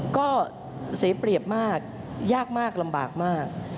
ก็เสียเปรียบมากยากมากลำบากมาก